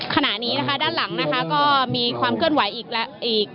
ขณะนี้นะคะด้านหลังนะคะก็มีความเคลื่อนไหวอีก